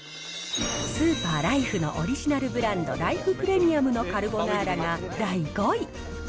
スーパー、ライフのオリジナルブランド、ライフプレミアムのカルボナーラが第５位。